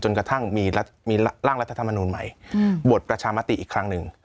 กระทั่งมีร่างรัฐธรรมนูลใหม่บทประชามติอีกครั้งหนึ่ง